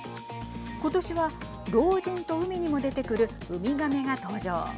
ことしは、老人と海にも出てくるウミガメが登場。